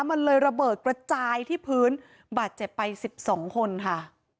มันเลยระเบิดกระจายที่พื้นบาดเจ็บไป๑๒คนค่ะ